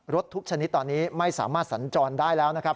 ทุกชนิดตอนนี้ไม่สามารถสัญจรได้แล้วนะครับ